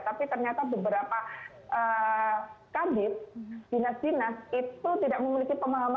tapi ternyata beberapa kabir dinas dinas itu tidak memiliki pemahaman yang sama